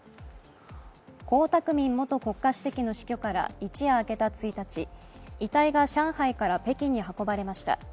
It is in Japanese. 江沢民元国家主席の死去から一夜明けた１日遺体が上海から北京に運ばれました。